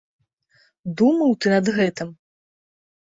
Думаў ты над гэтым?